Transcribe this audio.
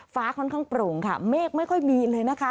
ฟ้าค่อนข้างโปร่งค่ะเมฆไม่ค่อยมีเลยนะคะ